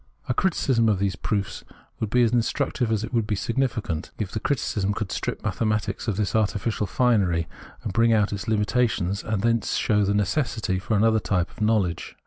A criticism of these proofs would be as instructive as it would be significant, if the criticism could strip mathematics of this artificial finery, and bring out its hmitations, and thence show the necessity for another type of knowledge.